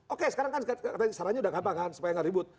oke sekarang kan sarannya udah gampang kan supaya nggak ribut